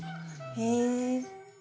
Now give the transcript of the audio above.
へえ。